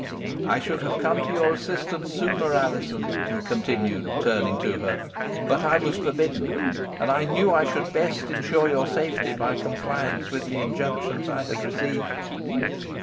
"I should have come to your assistance sooner, Alizon," he continued, turning to her, "but I was forbidden. And I knew I should best ensure your safety by compliance with the injunctions I had received."